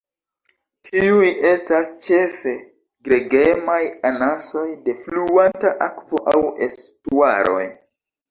Tiuj estas ĉefe gregemaj anasoj de fluanta akvo aŭ estuaroj.